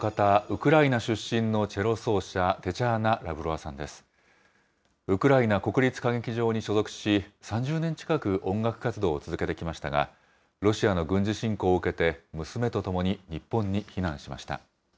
ウクライナ国立歌劇場に所属し、３０年近く音楽活動を続けてきましたが、ロシアの軍事侵攻を受けて、娘と共に日本に避難しました。